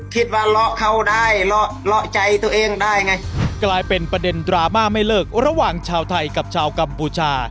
เลาะเขาได้เลาะใจตัวเองได้ไงกลายเป็นประเด็นดราม่าไม่เลิกระหว่างชาวไทยกับชาวกัมพูชา